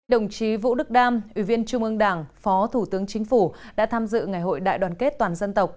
đồng chí vũ đức đam ủy viên trung ương đảng phó thủ tướng chính phủ đã tham dự ngày hội đại đoàn kết toàn dân tộc